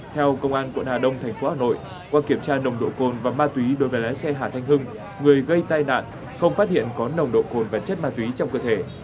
theo công an quận hà đông thành phố hà nội qua kiểm tra nồng độ cồn và ma túy đối với lái xe hà thanh hưng người gây tai nạn không phát hiện có nồng độ cồn và chất ma túy trong cơ thể